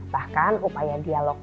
bahkan upaya dialognya